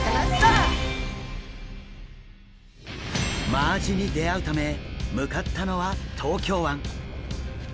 マアジに出会うため向かったのは東京湾。